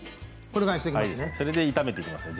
これで炒めていきます。